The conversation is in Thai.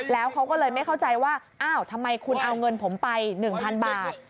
แล้วเขาก็เลยไม่เข้าใจว่าอ้าวทำไมคุณเอาเงินผมไป๑๐๐๐บาท